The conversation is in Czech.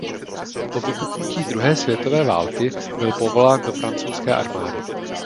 Po vypuknutí druhé světové války byl povolán do francouzské armády.